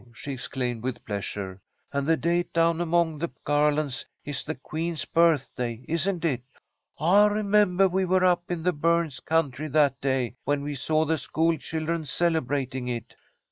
she exclaimed, with pleasure. "And the date down among the garlands is the queen's birthday, isn't it? I remembah we were up in the Burns country that day, when we saw the school children celebrating it."